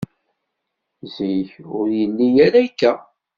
Zik, ur yelli ara akka.